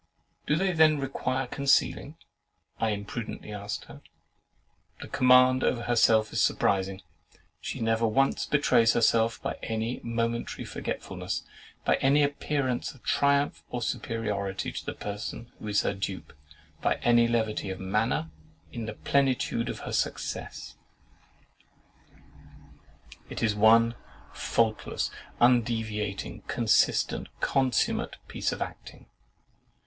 "Do they then require concealing?" I imprudently asked her. The command over herself is surprising. She never once betrays herself by any momentary forgetfulness, by any appearance of triumph or superiority to the person who is her dupe, by any levity of manner in the plenitude of her success; it is one faultless, undeviating, consistent, consummate piece of acting.